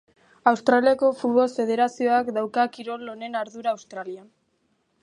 Australiako Futbol Federazioak dauka kirol honen ardura Australian.